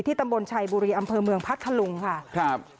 ตำบลชัยบุรีอำเภอเมืองพัทธลุงค่ะครับ